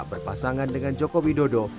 berpasangan dengan joko widodo